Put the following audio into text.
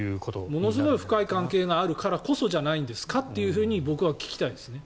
ものすごい深い関係があるからじゃないですか僕は聞きたいですね。